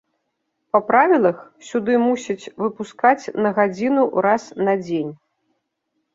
Па правілах, сюды мусяць выпускаць на гадзіну раз на дзень.